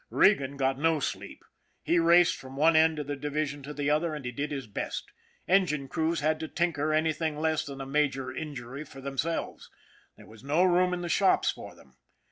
Regan got no sleep. He raced from one end of the division to the other, and he did his best. Engine crews had to tinker anything less than a major injury for themselves : there was no room in the shops for them.